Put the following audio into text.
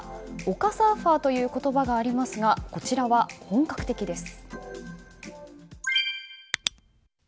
丘サーファーという言葉がありますがこちらは本格的です。